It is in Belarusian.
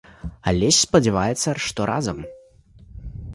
Алесь спадзяецца, што разам.